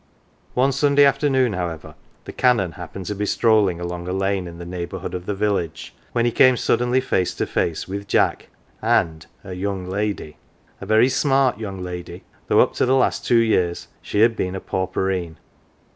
One Sunday afternoon, however, the Canon happened to be strolling along a lane in the neighbourhood of the village, when he came suddenly face to face with 197 LITTLE PAUPERS Jack and a young lady. A very smart young lady, though up to the last two years she had been a pauperine.